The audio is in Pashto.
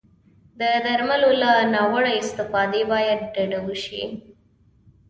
د درملو له ناوړه استفادې باید ډډه وشي.